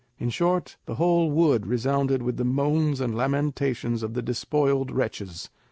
In short, the whole wood resounded with the moans and lamentations of the despoiled wretches.